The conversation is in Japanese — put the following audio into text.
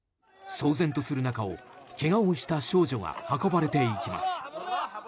騒然とする中をけがをした少女が運ばれて行きます。